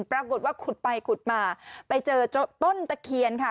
ปรากฏว่าขุดไปขุดมาไปเจอต้นตะเคียนค่ะ